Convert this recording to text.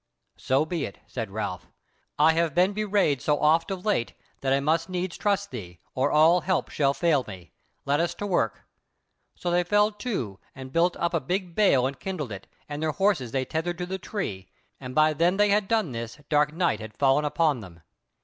"So be it," said Ralph, "I have been bewrayed so oft of late, that I must needs trust thee, or all help shall fail me. Let us to work." So they fell to and built up a big bale and kindled it, and their horses they tethered to the tree; and by then they had done this, dark night had fallen upon them.